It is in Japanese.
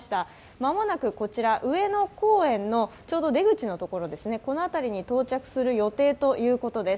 間もなく、こちら、上野公園の出口のところですね、この辺りに到着する予定ということです。